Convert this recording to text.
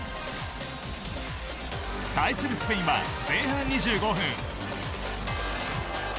対するスペインは前半２５分。